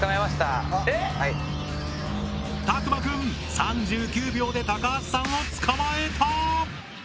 たくまくん３９秒で高橋さんを捕まえた！